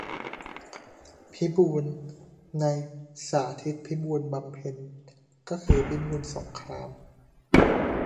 "พิบูล" ใน "สาธิตพิบูลบำเพ็ญ" ก็คือ พิบูลสงคราม